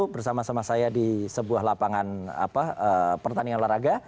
bersama sama saya di sebuah lapangan pertandingan olahraga